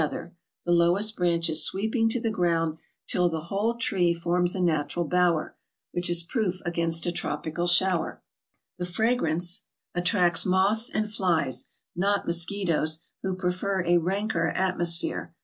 vi. — 28 420 TRAVELERS AND EXPLORERS the lowest branches sweeping to the ground till the whole tree forms a natural bower, which is proof against a tropical shower. The fragrance attracts moths and flies; not mosquitoes, who prefer a ranker atmosphere.